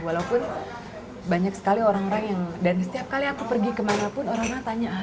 walaupun banyak sekali orang orang yang dan setiap kali aku pergi kemanapun orang orang tanya